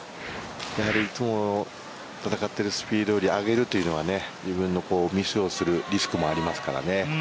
いつも戦っているスピードより上げるというのはね自分のミスをするリスクもありますからね。